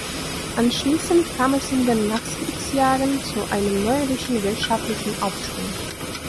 Anschließend kam es in den Nachkriegsjahren zu einem neuerlichen wirtschaftlichen Aufschwung.